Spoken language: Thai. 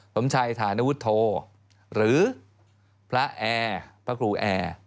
สมชัยฐานวุฒโธหรือพระแอร์พระครูแอร์